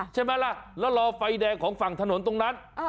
ใช่ไหมล่ะแล้วรอไฟแดงของฝั่งถนนตรงนั้น